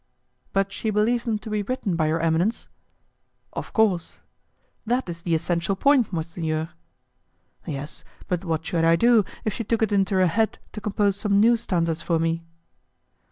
"But she believes them to be written by your eminence?" "Of course." "That is the essential point, monsignor." "Yes; but what should I do if she took it into her head to compose some new stanzas for me?"